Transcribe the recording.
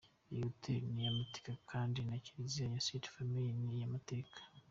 Iyi Hotel ni iya mateka kandi na Kiliziya ya Ste Famille ni iy’amateka.